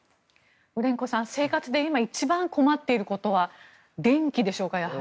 グレンコさん、生活で今、一番困っていることは電気でしょうか、やはり。